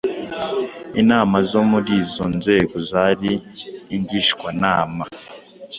Inama zo muri izo nzego zari ingishwanama,